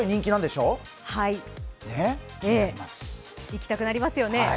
行きたくなりますよね